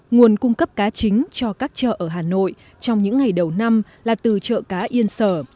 nguồn cung cấp cá chính cho các chợ ở hà nội trong những ngày đầu năm là từ chợ cá yên sở